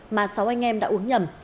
mà sáu anh em đã uống nhầm